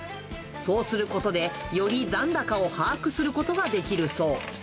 そうすることで、より残高を把握することができるそう。